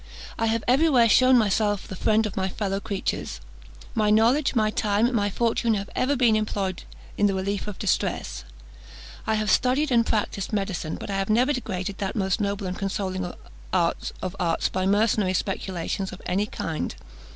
I have every where shewn myself the friend of my fellow creatures. My knowledge, my time, my fortune have ever been employed in the relief of distress. I have studied and practised medicine; but I have never degraded that most noble and most consoling of arts by mercenary speculations of any kind.